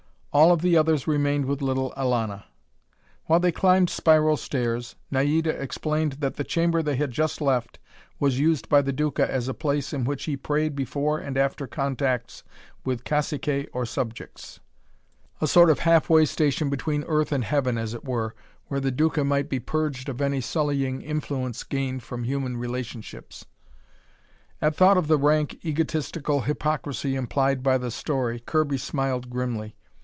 All of the others remained with little Elana. While they climbed spiral stairs, Naida explained that the chamber they had just left was used by the Duca as a place in which he prayed before and after contacts with caciques or subjects. A sort of halfway station between earth and heaven, as it were, where the Duca might be purged of any sullying influence gained from human relationships. At thought of the rank, egotistical hypocrisy implied by the story, Kirby smiled grimly.